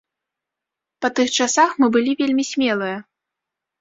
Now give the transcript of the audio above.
Па тых часах мы былі вельмі смелыя.